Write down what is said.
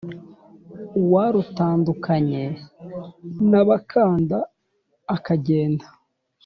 uwarutandukanye na kabanda akagenda